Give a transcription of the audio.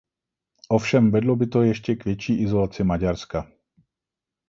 Ovšem vedlo by to k ještě větší izolaci Maďarska.